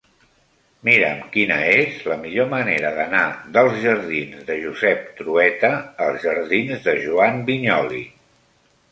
Mira'm quina és la millor manera d'anar dels jardins de Josep Trueta als jardins de Joan Vinyoli.